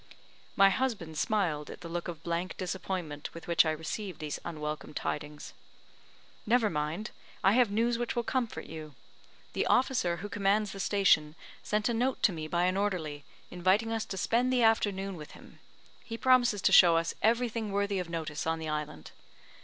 My husband smiled at the look of blank disappointment with which I received these unwelcome tidings, "Never mind, I have news which will comfort you. The officer who commands the station sent a note to me by an orderly, inviting us to spend the afternoon with him. He promises to show us everything worthy of notice on the island.